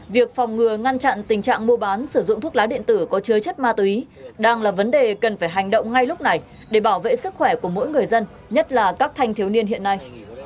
việc phòng ngừa ngăn chặn tình trạng mua bán sử dụng thuốc lá điện tử có chứa chất ma túy đang là vấn đề cần phải hành động ngay lúc này để bảo vệ sức khỏe của mỗi người dân nhất là các thanh thiếu niên hiện nay